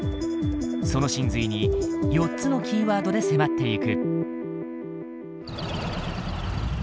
その神髄に４つのキーワードで迫っていく。